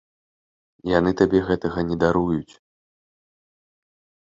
Яны табе гэтага не даруюць.